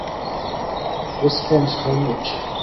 Response, hermit.